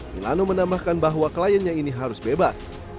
milano menambahkan bahwa kliennya ini harus bebas